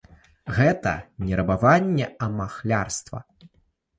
Гэта не рабаванне, а махлярства.